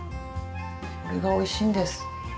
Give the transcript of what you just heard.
これが、おいしいんです。